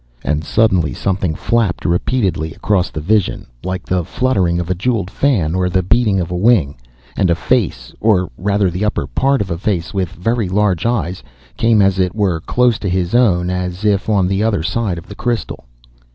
And suddenly something flapped repeatedly across the vision, like the fluttering of a jewelled fan or the beating of a wing, and a face, or rather the upper part of a face with very large eyes, came as it were close to his own and as if on the other side of the crystal.